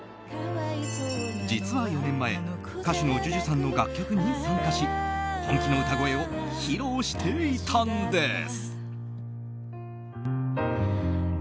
実は４年前歌手のＪＵＪＵさんの楽曲に参加し本気の歌声を披露していたんです。